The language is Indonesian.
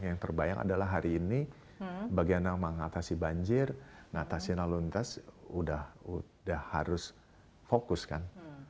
yang terbayang adalah hari ini bagaimana mengatasi banjir ngatasi lalu lintas sudah harus fokus kan